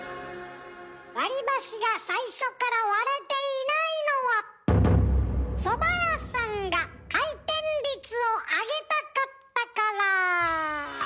割り箸が最初から割れていないのはそば屋さんが回転率を上げたかったから。